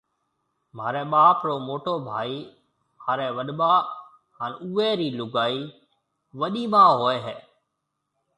مهاريَ ٻاپ رو موٽو ڀائِي مهاريَ وڏٻا هانَ اُئي رِي لُگائِي وڏِي امان هوئيَ هيَ۔